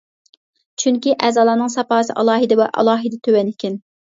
چۈنكى ئەزالارنىڭ ساپاسى ئالاھىدە ۋە ئالاھىدە تۆۋەن ئىكەن.